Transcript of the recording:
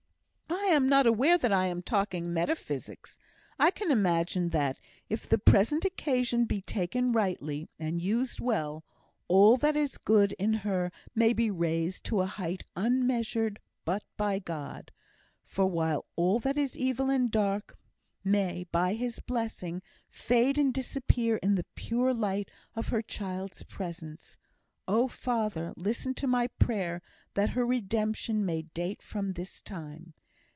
"I am not aware that I am talking metaphysics. I can imagine that if the present occasion be taken rightly, and used well, all that is good in her may be raised to a height unmeasured but by God; while all that is evil and dark may, by His blessing, fade and disappear in the pure light of her child's presence. Oh, Father! listen to my prayer, that her redemption may date from this time.